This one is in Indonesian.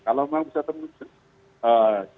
kalau memang bisa terwujud